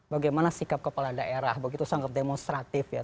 bagaimana sikap kepala daerah begitu sangat demonstratif ya